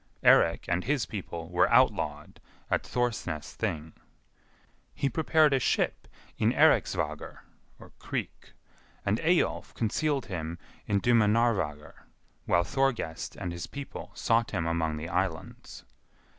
Eirik and his people were outlawed at Thorsnes Thing. He prepared a ship in Eiriksvagr (creek), and Eyjolf concealed him in Dimunarvagr while Thorgest and his people sought him among the islands.